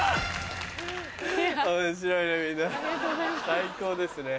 最高ですね。